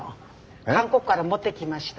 韓国から持ってきました。